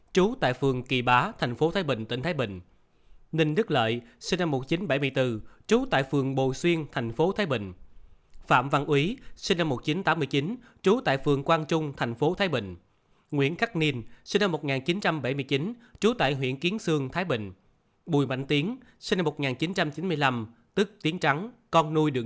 từ tám h ngày một mươi tám tháng một mươi một lần lượt các bị cáo